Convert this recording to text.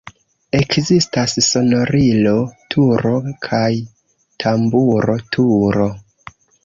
Ekzistas sonorilo-turo kaj tamburo-turo.